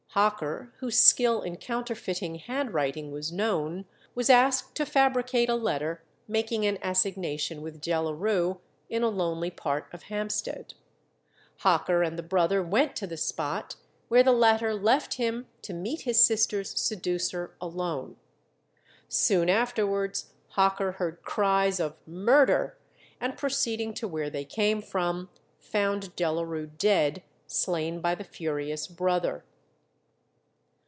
Hocker, whose skill in counterfeiting handwriting was known, was asked to fabricate a letter making an assignation with Delarue in a lonely part of Hampstead. Hocker and the brother went to the spot, where the latter left him to meet his sister's seducer alone. Soon afterwards Hocker heard cries of "murder," and proceeding to where they came from, found Delarue dead, slain by the furious brother.